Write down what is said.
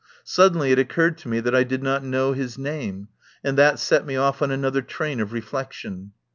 Suddenly it occurred to me that I did not know his name, and that set me off on another train of reflection.